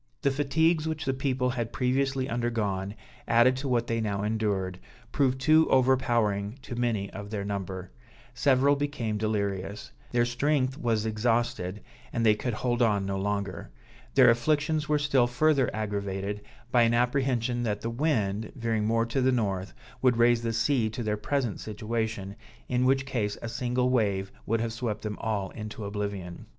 The fatigues which the people had previously undergone, added to what they now endured, proved too overpowering to many of their number; several became delirious; their strength was exhausted, and they could hold on no longer. Their afflictions were still further aggravated by an apprehension that the wind, veering more to the north, would raise the sea to their present situation, in which case a single wave would have swept them all into oblivion.